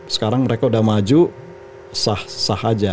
sekarang mereka udah maju sah sah aja